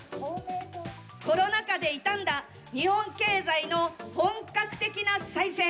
コロナ禍で痛んだ日本経済の本格的な再生。